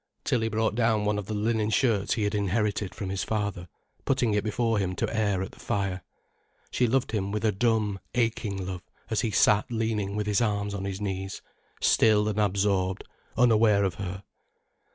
Tilly brought down one of the linen shirts he had inherited from his father, putting it before him to air at the fire. She loved him with a dumb, aching love as he sat leaning with his arms on his knees, still and absorbed, unaware of her.